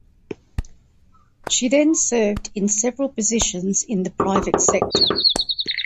She then served in several positions in the private sector.